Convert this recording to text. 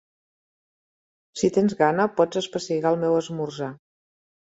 Si tens gana, pots espessigar el meu esmorzar.